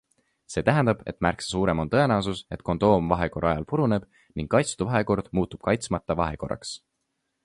See tähendab, et märksa suurem on tõenäosus, et kondoom vahekorra ajal puruneb ning kaitstud vahekord muutub kaitsmata vahekorraks.